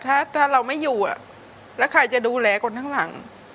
ถ้าเราไม่อยู่แล้วใครจะดูแลคนข้างหลัง